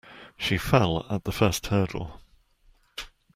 She fell at the first hurdle.